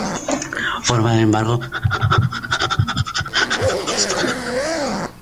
Formas de embargo: Anotación preventiva de embargo, retención judicial, administración judicial, depósito judicial.